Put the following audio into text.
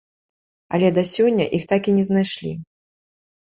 Але да сёння іх так і не знайшлі.